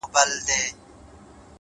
يوه څړيکه هوارې ته ولاړه ده حيرانه-